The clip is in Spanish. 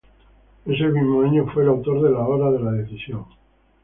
Ese mismo año fue el autor de La hora de la Decisión.